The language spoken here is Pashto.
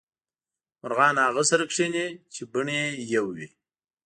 مرغان هغه سره کینې چې بڼې یو وې